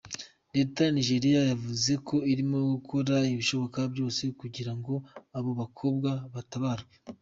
Leta ya Nigeria yavuze ko irimo gukora ibishoboka byose kugira ngo abo bakobwa batabarwe.